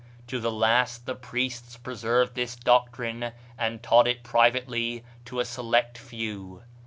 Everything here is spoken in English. To the last the priests preserved this doctrine and taught it privately to a select few."